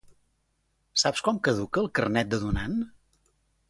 Saps quan caduca el carnet de donant?